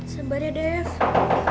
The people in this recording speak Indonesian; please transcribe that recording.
sambal ya dave